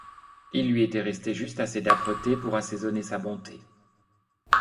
Il lui était resté juste assez d'âpreté pour assaisonner sa bonté.